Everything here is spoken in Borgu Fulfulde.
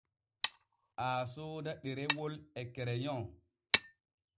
Aa sooda ɗerewol e kereyon.